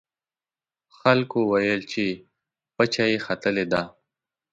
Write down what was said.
خلکو ویل چې پچه یې ختلې ده.